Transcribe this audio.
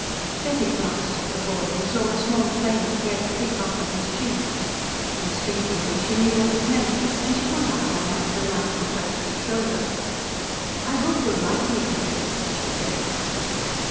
Betty glanced at the boy and saw a small flame of red creep up on his cheek. Instinctively she knew what it meant, and she put out her hand and lightly touched his shoulder. "I hope you'll like me, Ughtred," she said.